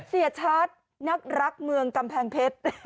เสียชัดนักรักเมืองกำแพงเพชร